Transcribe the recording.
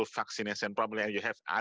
vaksin yang berhasil